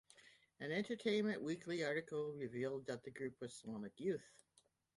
An "Entertainment Weekly" article revealed that the group was Sonic Youth.